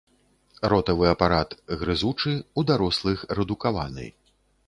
Ротавы апарат грызучы, у дарослых рэдукаваны.